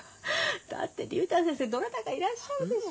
だって竜太先生どなたかいらっしゃるでしょ。